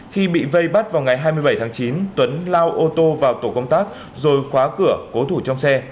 khi bị vây bắt vào ngày hai mươi bảy tháng chín tuấn lao ô tô vào tổ công tác rồi khóa cửa cố thủ trong xe